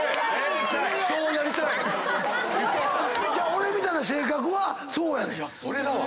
俺みたいな性格はそうやねん。